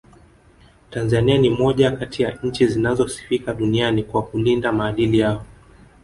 Tanzania ni moja kati ya nchi zinazosifika duniani kwa kulinda maadili yao